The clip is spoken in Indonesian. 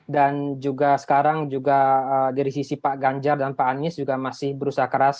dan juga sekarang dari sisi pak ganjar dan pak anies juga masih berusaha keras